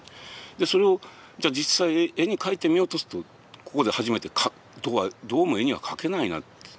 でそれを実際絵に描いてみようとするとここで初めてどうも絵には描けないなって。